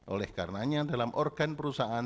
oleh karenanya dalam organ perusahaan